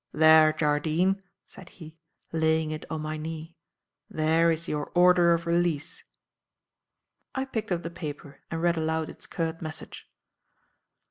"There, Jardine," said he, laying it on my knee; "there is your order of release." I picked up the paper and read aloud its curt message.